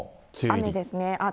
雨ですね。